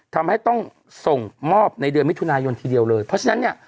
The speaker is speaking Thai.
ทำให้ต้องส่งมอบในเดือนมิถุนายนทีเดียวเลยเพราะฉะนั้นเนี่ย